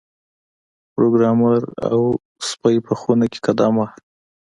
پروګرامر او سپی په خونه کې قدم واهه